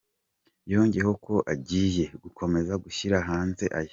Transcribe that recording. Yongeyeho ko agiye gukomeza gushyira hanze aya